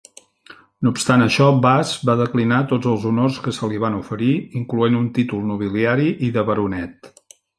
No obstant això, Bass va declinar tots els honors que se li van oferir, incloent un títol nobiliari i de baronet.